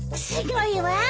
すごいわ。